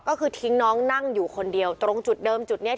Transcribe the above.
ก็คือทิ้งน้องนั่งอยู่คนเดียวตรงจุดเดิมจุดเนี้ย